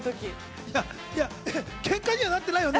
ケンカにはなってないよね？